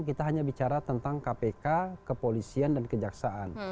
kepolisian dan kejaksaan